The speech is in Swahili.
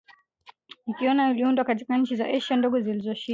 Ikonia iliundwa katika nchi za Asia Ndogo zilizoshindwa